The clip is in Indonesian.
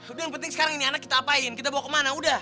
udah yang penting sekarang ini anak kita apain kita bawa kemana udah